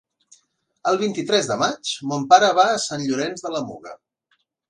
El vint-i-tres de maig mon pare va a Sant Llorenç de la Muga.